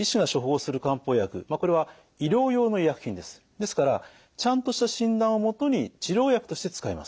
ですからちゃんとした診断をもとに治療薬として使います。